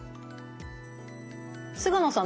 菅野さん